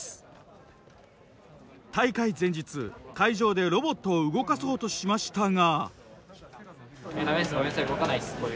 大会前日会場でロボットを動かそうとしましたが。